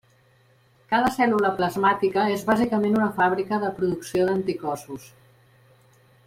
Cada cèl·lula plasmàtica és bàsicament una fàbrica de producció d'anticossos.